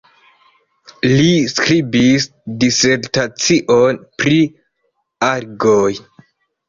Li skribis disertacion pri algoj.